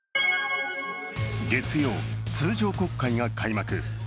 月曜、通常国会が開幕。